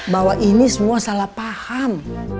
bahwa ini semua salah paham